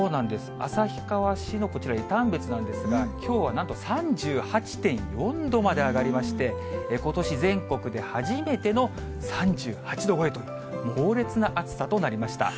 旭川市のこちら、江丹別なんですが、きょうはなんと３８．４度まで上がりまして、ことし、全国で初めての３８度超えと、猛烈な暑さとなりました。